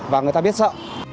và người ta biết sợ